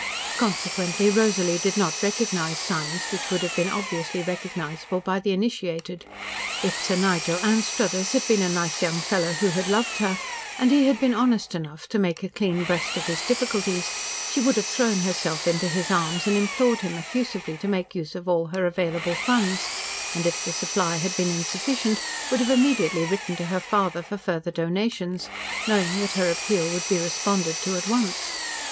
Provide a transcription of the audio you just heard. Consequently Rosalie did not recognise signs which would have been obviously recognisable by the initiated. If Sir Nigel Anstruthers had been a nice young fellow who had loved her, and he had been honest enough to make a clean breast of his difficulties, she would have thrown herself into his arms and implored him effusively to make use of all her available funds, and if the supply had been insufficient, would have immediately written to her father for further donations, knowing that her appeal would be responded to at once.